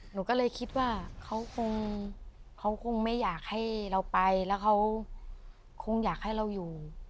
หนูก็เลยคิดว่าเขาคงเขาคงไม่อยากให้เราไปแล้วเขาคงอยากให้เราอยู่